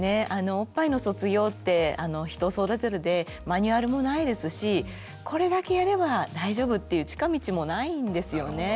おっぱいの卒業って人それぞれでマニュアルもないですしこれだけやれば大丈夫っていう近道もないんですよね。